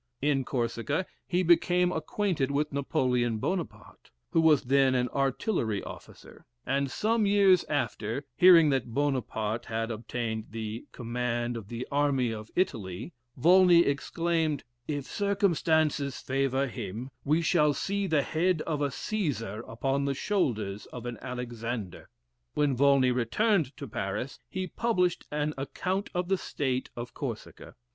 In Corsica he became acquainted with Napoleon Buonaparte, who was then an artillery officer; and some years after, hearing that Buonaparte had obtained the command of the army of Italy, Volney exclaimed, "If circumstances favor him, we shall see the head of a Cæesar upon the shoulders of an Alexander." When Volney returned to Paris, he published an "Account of the State of Corsica."